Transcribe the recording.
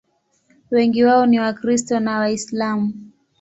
Wengi wao ni Wakristo na Waislamu.